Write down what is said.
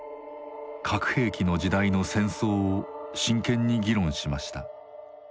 核兵器の時代の戦争を真剣に議論しました。